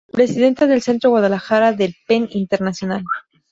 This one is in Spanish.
Presidenta del Centro Guadalajara del pen Internacional.